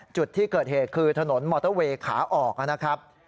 จุดที่เกิดเหตุคือถนนมอเตอร์เวย์ขาออกนะครับ